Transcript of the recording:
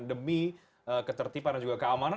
demi ketertiban dan juga keamanan